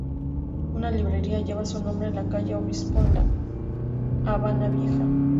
Una librería lleva su nombre en la calle Obispo en La Habana Vieja.